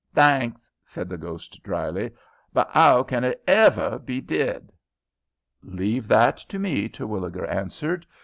"Thainks," said the ghost, dryly. "But 'ow can it hever be did?" "Leave that to me," Terwilliger answered.